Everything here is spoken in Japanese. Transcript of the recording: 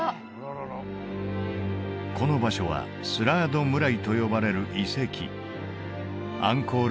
この場所はスラードムライと呼ばれる遺跡アンコール